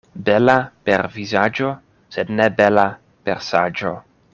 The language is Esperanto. Bela per vizaĝo, sed ne bela per saĝo.